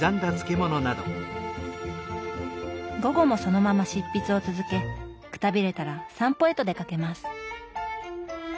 午後もそのまま執筆を続けくたびれたら散歩へと出かけます。